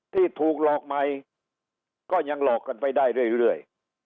ที่ถูกหลอกใหม่ก็ยังหลอกกันไปได้เรื่อย